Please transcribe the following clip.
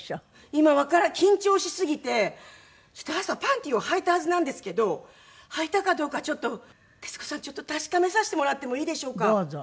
今緊張しすぎて朝パンティーをはいたはずなんですけどはいたかどうかちょっと徹子さん確かめさせてもらってもいいでしょうか？